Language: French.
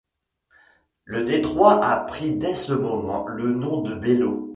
Le détroit a pris dès ce moment le nom de Bellot.